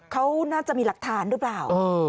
เขาน่าจะมีหลักฐานหรือเปล่า